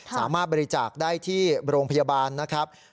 สามารถบริจาคได้ที่โรงพยาบาลนะครับ